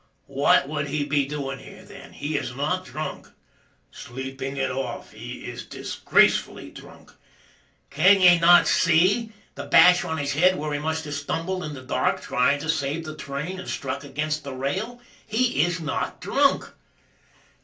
" What would he be doing here, then ? He is not drunk." " Sleeping it off. He is disgracefully drunk." " Can ye not see the bash on his head where he must have stumbled in the dark trying to save the train and struck against the rail? He is not drunk."